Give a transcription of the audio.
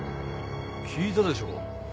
聞いたでしょう。